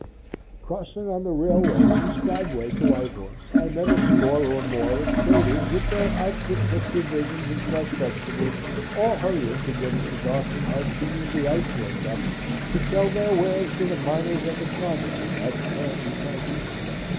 Crossing on the railway from Skagway to White Horse, I met a score or more of traders with their outfits of provisions and fresh vegetables, all hurrying to get into Dawson as soon as the ice broke up, to sell their wares to the miners of the Klondike at fancy prices.